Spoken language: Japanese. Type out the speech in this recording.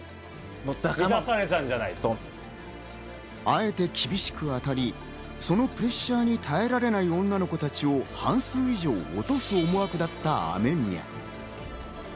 あえて厳しく当たり、そのプレッシャーに耐えられない女の子たちを半数以上を落とす思惑だった雨宮。